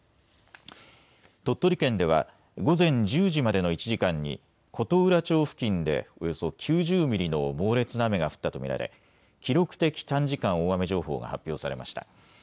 鳥取県では午前１０時までの１時間に琴浦町付近でおよそ９０ミリの猛烈な雨が降ったと見られ記録的短時間大雨情報が発表されました。